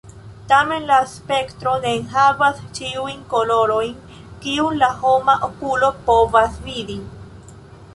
Tamen, la spektro ne enhavas ĉiujn kolorojn kiun la homa okulo povas vidi.